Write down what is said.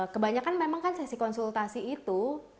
kebanyakan memang kan sesi konsultasi itu